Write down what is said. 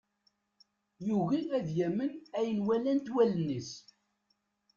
Yugi ad yamen ayen walant wallen-is.